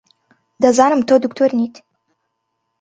دەزانم تۆ دکتۆر نیت.